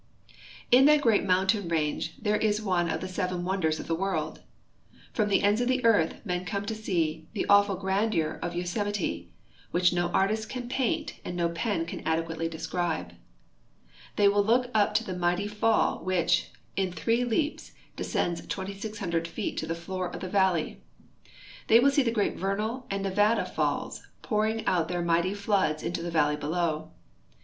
In that great mountain range there is one of the seven wonders of the world. From the ends of the earth men come to see the awful grandeur of Yosemite, which no artist can paint and no pen can adequately describe. They will look up to the mighty fall wliich, in three leaps, descends 2,600 feet to the floor of the valley. They will see the great Vernal and Nevada falls j)Our ing out their miglity floods into the valley below.